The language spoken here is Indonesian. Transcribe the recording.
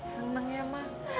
senang ya ma